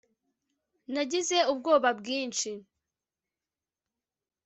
Nagize ubwoba bwinshi